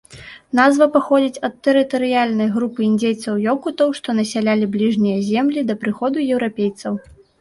Назва паходзіць ад тэрытарыяльнай групы індзейцаў-ёкутаў, што насялялі бліжнія землі да прыходу еўрапейцаў.